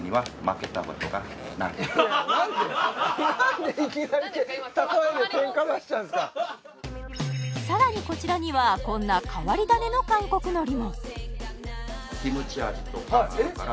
なんでいきなり例えでケンカ出したんですかさらにこちらにはこんな変わり種の韓国海苔もえっ？